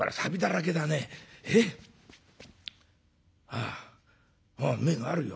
ああ銘があるよ。